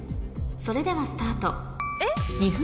それではスタート２分